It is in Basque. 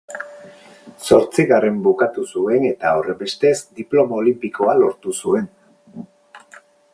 Zortzigarren bukatu zuen eta horrenbestez, diploma olinpikoa lortu zuen.